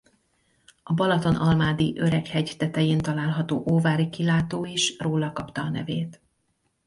A Balatonalmádi Öreg-hegy tetején található Óvári-kilátó is róla kapta a nevét.